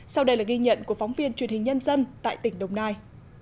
sau đây là ghi nhận của phóng viên truyền hình nhân dân tại tỉnh đồng nai